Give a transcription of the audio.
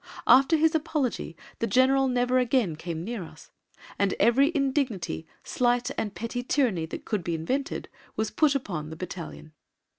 After his apology the General never again came near us, and every indignity, slight and petty tyranny that could be invented was put upon the battalion.